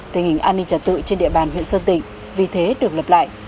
tình hình an ninh trật tự trên địa bàn huyện sơn tịnh vì thế được lập lại